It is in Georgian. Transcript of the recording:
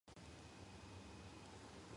იყო შრომის კომისიის წევრი.